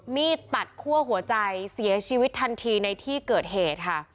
มีดตัดคั่วหัวใจเสียชีวิตทันทีในที่เกิดเหตุค่ะ